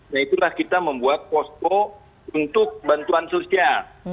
nah itulah kita membuat posko untuk bantuan sosial